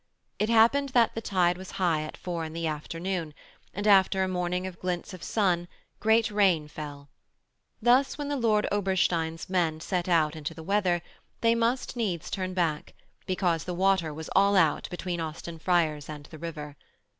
It happened that the tide was high at four in the afternoon, and, after a morning of glints of sun, great rain fell. Thus, when the Lord Oberstein's men set out into the weather, they must needs turn back, because the water was all out between Austin Friars and the river.